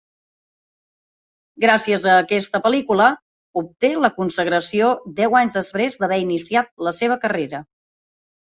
Gràcies a aquesta pel·lícula, obté la consagració deu anys després d'haver iniciat la seva carrera.